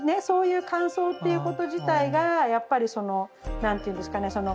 そういう感想っていうこと自体がやっぱりその何ていうんですかね